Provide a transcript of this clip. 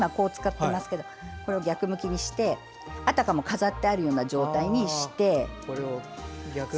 これを逆向きにしてあたかも飾ってあるような状態にして。